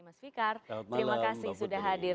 mas fikar terima kasih sudah hadir